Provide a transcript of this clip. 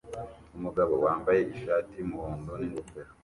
umugabo wambaye ishati yumuhondo ningofero